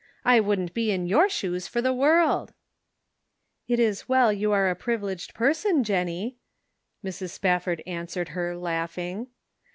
I wouldn't be in your shoes for the world !"" It is well you are a privileged person, Jennie," Mrs. Spafford answered her laughing.